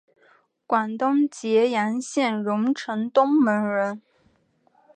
广东揭阳县榕城东门人。